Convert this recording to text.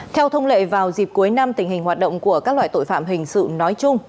theo thông lệ vào dịp cuối năm tình hình hoạt động của các loại tội phạm hình sự nói chung